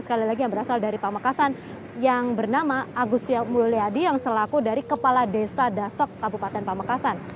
sekali lagi yang berasal dari pamekasan yang bernama agus mulyadi yang selaku dari kepala desa dasok kabupaten pamekasan